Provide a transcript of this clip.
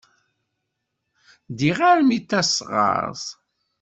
Ddiɣ armi d tasɣert.